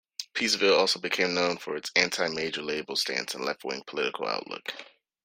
Peaceville also became known for its anti-major label stance and left wing political outlook.